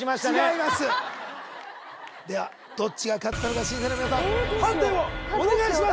どっちが勝ったのか審査員の皆さん判定をお願いします